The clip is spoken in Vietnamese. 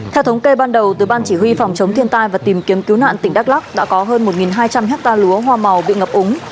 theo thống kê ban đầu từ ban chỉ huy phòng chống thiên tai và tìm kiếm cứu nạn tỉnh đắk lắc đã có hơn một hai trăm linh hectare lúa hoa màu bị ngập úng